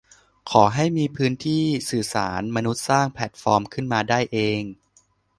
ขอให้มีพื้นที่สื่อสาร มนุษย์สร้างแพลตฟอร์มขึ้นมาได้เอง